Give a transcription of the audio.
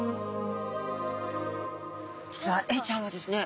実はエイちゃんはですね